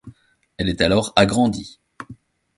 Elle est alors agrandie.